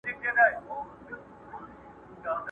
له وړو او له لویانو لاري ورکي!